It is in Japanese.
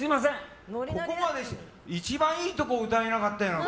ここまでして一番いいところ歌えなかったじゃん。